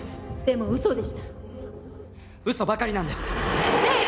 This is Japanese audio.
でも嘘でした嘘ばかりなんですええ